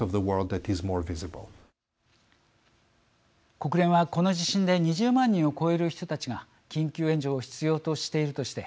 国連はこの地震で２０万人を超える人たちが緊急援助を必要としているとして